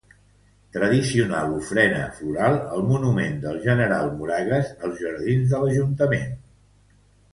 Tradicional ofrena floral al Monument del General Moragues, als jardins de l'Ajuntament.